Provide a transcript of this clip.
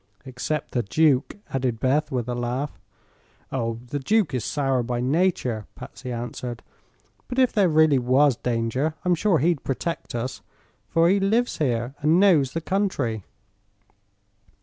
"Except the duke," added Beth, with a laugh. "Oh, the duke is sour by nature," Patsy answered; "but if there really was danger, I'm sure he'd protect us, for he lives here and knows the country."